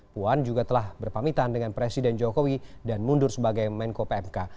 puan juga telah berpamitan dengan presiden jokowi dan mundur sebagai menko pmk